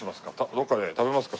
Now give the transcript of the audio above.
どこかで食べますか？